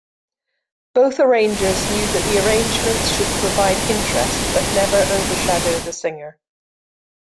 Both arrangers knew that the arrangements should provide interest, but never overshadow the singer.